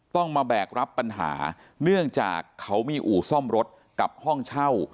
ต้องมาแบกรับปัญหาเนื่องจากเขามีอู่ซ่อมรถกับห้องเช่า